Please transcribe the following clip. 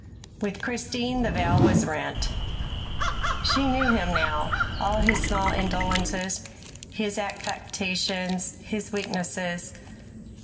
With Christine the veil was rent. She knew him now all his small indolences, his affectations, his weaknesses.